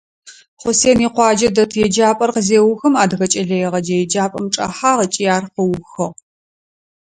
Хъусен икъуаджэ дэт еджапӀэр къызеухым, Адыгэ кӀэлэегъэджэ еджапӀэм чӀэхьагъ ыкӀи ар къыухыгъ.